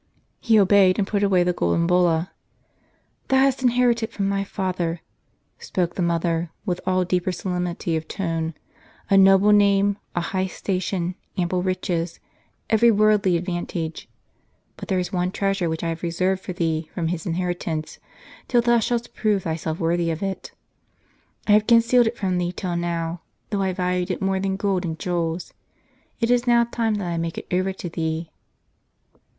He obeyed, and put away the golden bulla. "Thou hast inherited from thy father," spoke the mother, with still deeper solemnity of tone, " a noble name, a high station, ample riches, every worldly advantage. But there is one treasure which I have reserved for thee from his inherit ance, till thou shouldst j)rove thyself worthy of it. I have concealed it from thee till now, though I valued it more than gold and jewels. It is now time that I make it over to thee."